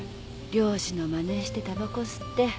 漁師のマネしてたばこ吸って。